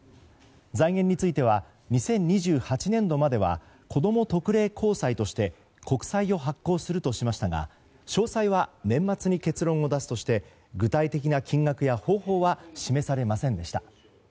財源については２０２８年度まではこども特例公債として国債を発行するとしましたが詳細は年末に結論を出すとして具体的な金額や方法は示されませんでした。